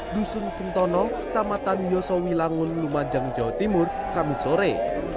dusun sentono kamatan yosowi langun lumajang jawa timur kamis sore